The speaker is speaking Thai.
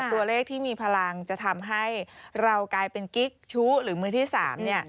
ตัวเลขที่มีพลังจะทำให้เรากลายเป็นกิ๊กชู้หรือมือที่๓เนี่ย